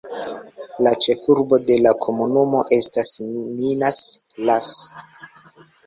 La ĉefurbo de la komunumo estas Minas, las.